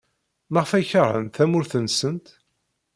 Maɣef ay keṛhent tamurt-nsent?